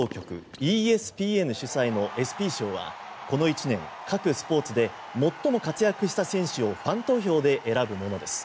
ＥＳＰＮ主催のＥＳＰＹ賞はこの１年、各スポーツで最も活躍した選手をファン投票で選ぶものです。